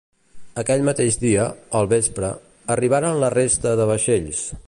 Aquell mateix dia, al vespre, arribaren la resta de vaixells.